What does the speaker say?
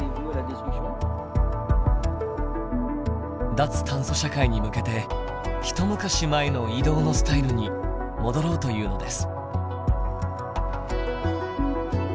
脱炭素社会に向けて一昔前の移動のスタイルに戻ろうというのです。